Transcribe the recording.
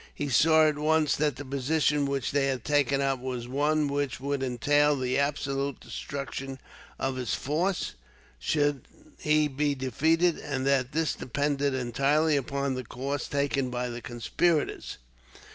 He saw, at once, that the position which they had taken up was one which would entail the absolute destruction of his force, should he be defeated; and that this depended entirely upon the course taken by the conspirators.